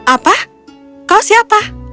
apa kau siapa